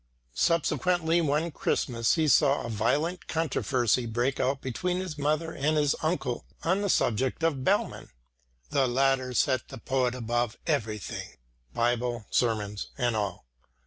Subsequently one Christmas he saw a violent controversy break out between his mother and his uncle on the subject of Bellmann. The latter set the poet above everything Bible, sermons and all.